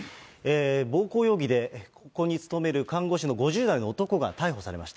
暴行容疑で、ここに勤める５０代の看護師の男が逮捕されました。